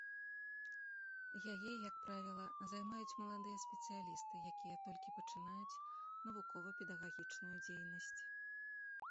Яе, як правіла, займаюць маладыя спецыялісты, якія толькі пачынаюць навукова-педагагічную дзейнасць.